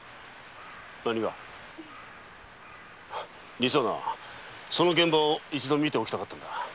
実はその現場を一度見ておきたかったんだ。